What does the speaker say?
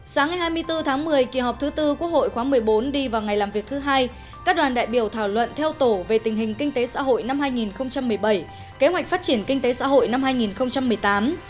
sáng ngày hai mươi bốn tháng một mươi kỳ họp thứ tư quốc hội khóa một mươi bốn đi vào ngày làm việc thứ hai các đoàn đại biểu thảo luận theo tổ về tình hình kinh tế xã hội năm hai nghìn một mươi bảy kế hoạch phát triển kinh tế xã hội năm hai nghìn một mươi tám